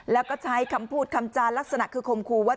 แล้วก็ใช้คำพูดคำจานลักษณะคือคมครูว่า